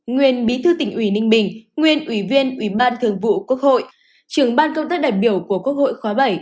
nguyên bí thư tỉnh ủy ninh bình nguyên ủy viên ủy ban thường vụ quốc hội trưởng ban công tác đại biểu của quốc hội khóa bảy